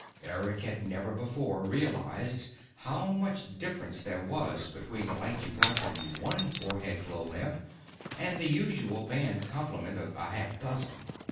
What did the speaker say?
Eric had never before realized how much difference there was between the light you got from one forehead glow lamp and the usual band complement of a half dozen.